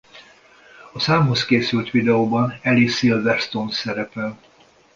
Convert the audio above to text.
A számhoz készült videóban Alicia Silverstone szerepel.